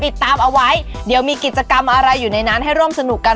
ติดตามเอาไว้เดี๋ยวมีกิจกรรมอะไรอยู่ในนั้นให้ร่วมสนุกกัน